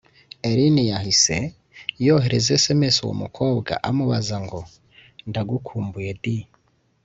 Elin yahise yohereza sms uwo mukobwa amubaza ngo “ndagukumbuye di